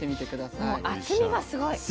もう厚みがすごい。